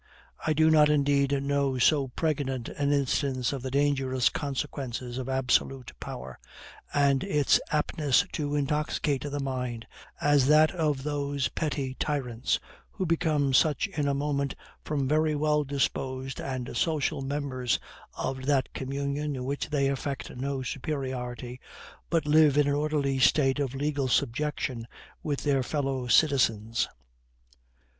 I do not, indeed, know so pregnant an instance of the dangerous consequences of absolute power, and its aptness to intoxicate the mind, as that of those petty tyrants, who become such in a moment, from very well disposed and social members of that communion in which they affect no superiority, but live in an orderly state of legal subjection with their fellow citizens.